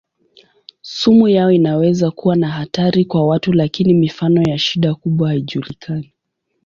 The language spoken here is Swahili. Sumu yao inaweza kuwa na hatari kwa watu lakini mifano ya shida kubwa haijulikani.